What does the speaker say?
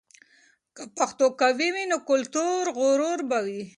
که پښتو قوي وي، نو کلتوري غرور به وي.